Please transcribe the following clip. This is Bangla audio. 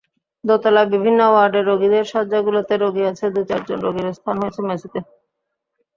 দোতলায় বিভিন্ন ওয়ার্ডে রোগীদের শয্যাগুলোতে রোগী আছে, দু-চারজন রোগীর স্থান হয়েছে মেঝেতে।